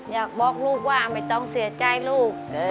อยากบอกลูกว่าไม่ต้องเสียใจลูก